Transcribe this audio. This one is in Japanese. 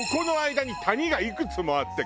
間に谷がいくつもあってこう。